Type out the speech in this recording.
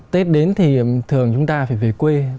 tết đến thì thường chúng ta phải về quê